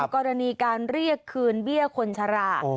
กรณีการเรียกคืนเบี้ยคนชรา